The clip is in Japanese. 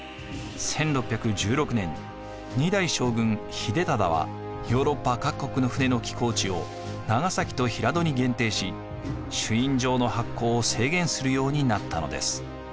１６１６年２代将軍秀忠はヨーロッパ各国の船の寄港地を長崎と平戸に限定し朱印状の発行を制限するようになったのです。